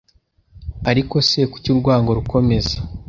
Ariko se kuki urwango rukomeza